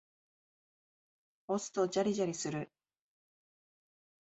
押すとジャリジャリする。